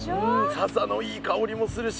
笹のいい香りもするし。